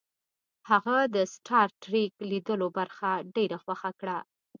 هغه د سټار ټریک لیدلو برخه ډیره خوښه کړه